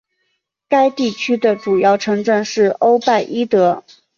该地区的主要城镇是欧拜伊德。